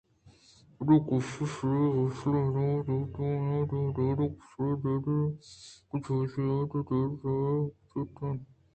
پرے گپّ ءَ سیہریں ساحر ملامت بُوت ءُ آئی ءَ را مرگ ءِ سزادئیگ ءِ جار اِش پرّینت: کہ چمے ججّاں یکّے ءَ درّائینت تو ہمے گوٛشتگ اَت